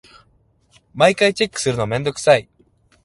毎回チェックするのめんどくさい。